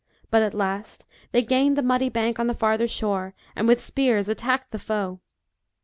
But at last they gained the muddy bank on the farther shore, and with spears attacked the foe.